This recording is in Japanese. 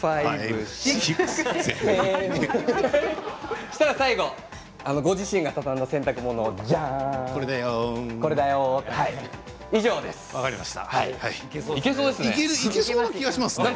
そうしたら最後ご自身が畳んだ洗濯物をじゃーん！